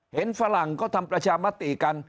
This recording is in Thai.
ฝรั่งก็ทำประชามติกัน